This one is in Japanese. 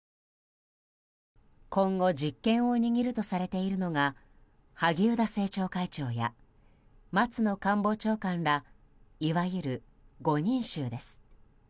今後、実権を握るとされているのが萩生田政調会長や松野官房長官らいわゆる５人衆です。